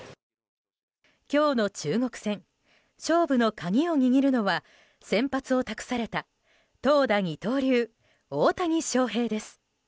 今日の中国戦勝負の鍵を握るのは先発を託された投打二刀流、大谷翔平です。